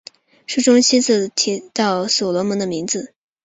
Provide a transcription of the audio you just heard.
书中七次提到所罗门的名字。